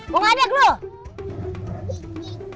mau ngeledek lu